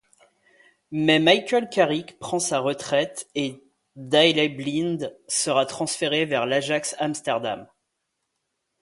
Mais Michael Carrick prend sa retraite et Daley Blind sera transféré vers l'Ajax Amsterdam.